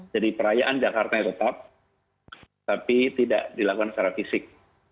jadi perayaan jakarta tetap tapi tidak dilakukan secara fisik